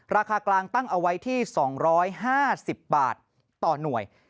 ราคากลางตั้งเอาไว้ที่๒๕๐บาทต่อหน่วย